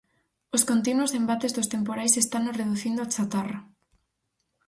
Os continuos embates dos temporais estano reducindo a chatarra.